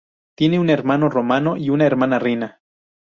Tiene un hermano, Romano; y una hermana, Rina.